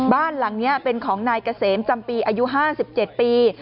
บ้านหลังนี้เป็นของนายเกษมจำปีอายุ๕๗ปี